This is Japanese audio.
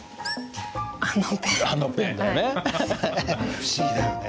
不思議だよね。